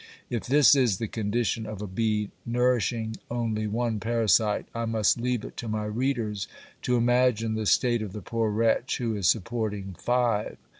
If this is the condition of a bee nourishing only one parasite, I must leave it to my readers to imagine the state of the poor wretch who is supporting five!